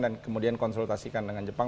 dan kemudian konsultasikan dengan jepang